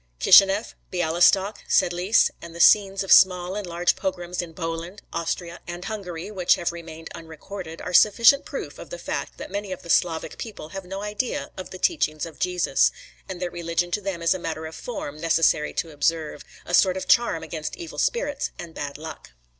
Kisheneff, Bialistok, Sedlice and the scenes of small and large pogroms in Poland, Austria and Hungary, which have remained unrecorded, are sufficient proof of the fact that many of the Slavic people have no idea of the teachings of Jesus; and that religion to them is a matter of form necessary to observe, a sort of charm against evil spirits and bad luck.